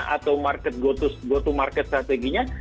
atau market go to market strateginya